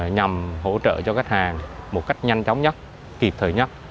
nhằm hỗ trợ cho khách hàng một cách nhanh chóng nhất kịp thời nhất